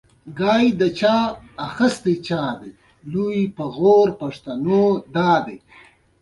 دا د ښکارچیانو څخه د خلاصون لاره ده